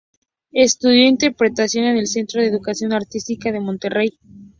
Estudió interpretación en el Centro de Educación Artística de Monterrey.